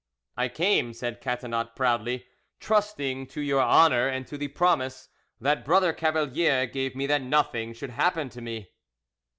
"I came," said Catinat proudly, "trusting to your honour and to the promise that Brother Cavalier gave me that nothing should happen to me."